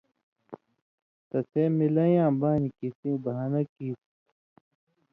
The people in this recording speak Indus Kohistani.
تسے مِلَیں یَاں بَانیۡ کِھیں سِیں بَھانہ کِیریۡ،